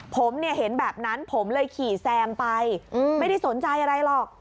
ผมเนี่ยเห็นแบบนั้นผมเลยขี่แซมไปไม่ได้สนใจอะไรหรอก